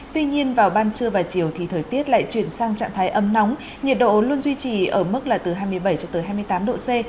tuy nhiên vào ban trưa và chiều thì thời tiết lại chuyển sang trạng thái ấm nóng nhiệt độ luôn duy trì ở mức là từ hai mươi bảy cho tới hai mươi tám độ c